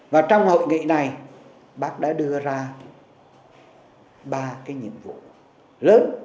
và trong hội nghị này bác đã đưa ra ba cái nhiệm vụ lớn